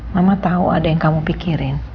mama tahu ada yang kamu pikirin